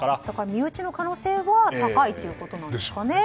身内の可能性は高いということなんですかね。